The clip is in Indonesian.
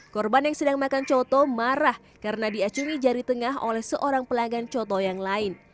korban yang sedang makan coto marah karena diacuri jari tengah oleh seorang pelanggan coto yang lain